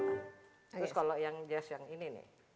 terus kalau yang jazz yang ini nih